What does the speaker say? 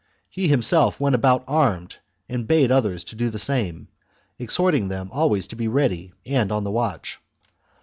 He himself went about armed, and bade others do the same, exhorting them always to be ready and on the watch.